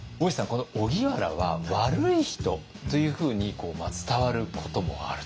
この荻原は悪い人というふうに伝わることもあると。